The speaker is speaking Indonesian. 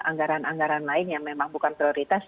anggaran anggaran lain yang memang bukan prioritas